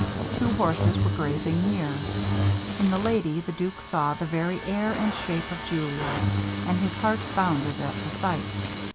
Two horses were grazing near. In the lady the duke saw the very air and shape of Julia, and his heart bounded at the sight.